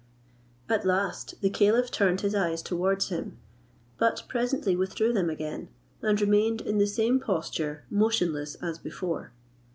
At last the caliph turned his eyes towards him, but presently withdrew them again, and remained in the same posture motionless as before.